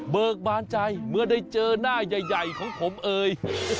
เบิกมายใจเมื่อได้เจอหน้าย่ายของผมเอย